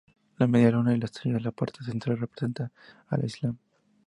La media luna y la estrella en la parte central representan el Islam.